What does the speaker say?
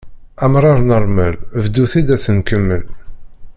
Amrar n ṛṛmel bdu-t-id ad t-nkemmel!